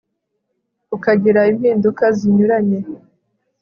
ukagira impinduka zinyuranye